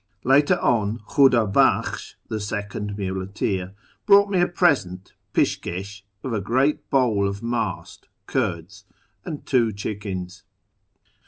Later on, Ivhuda bakhsh, the second muleteer, brought me a present (pishJxsh) of a great bowl of mdst (curds), and tw'o chickens.